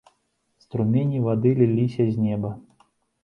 Струмені вады ліліся з неба.